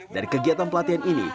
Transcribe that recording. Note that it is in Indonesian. dari kegiatan pelatihan ini